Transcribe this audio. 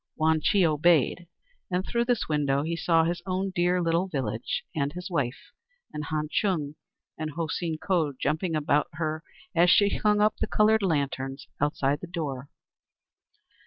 Wang Chih obeyed, and through this window he saw his own dear little village, and his wife, and Han Chung and Ho Seen Ko jumping about her as she hung up the coloured lanterns outside the door.